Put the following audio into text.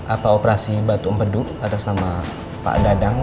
apa operasi batu empedu atas nama pak dadang